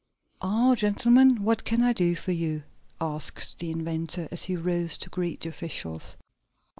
"Ah, gentlemen, what can I do for you?" asked the inventor, as he rose to greet the officials.